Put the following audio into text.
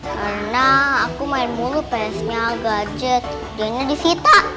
karena aku main mulu ps nya gadget dia ini di cita